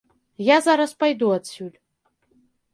Я зараз пайду адсюль.